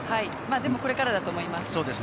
でもこれからだと思います。